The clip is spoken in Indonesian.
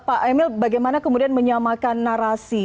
pak emil bagaimana kemudian menyamakan narasi